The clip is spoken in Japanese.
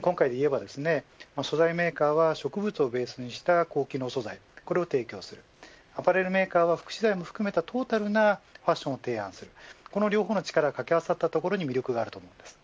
今回でいえば素材メーカーは植物をベースにした高機能素材を提供しアパレルメーカーは副資材も含めたトータルなファッションを提案するこの両方の力が掛け合わさったところに魅力があると思います。